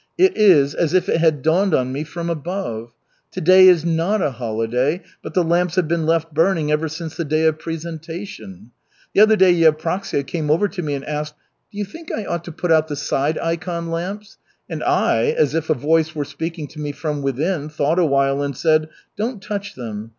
It is as if it had dawned on me from above. To day is not a holiday, but the lamps have been left burning ever since the day of Presentation. The other day Yevpraksia came over to me and asked: 'Do you think I ought to put out the side ikon lamps?' And I, as if a voice were speaking to me from within, thought a while and said: 'Don't touch them.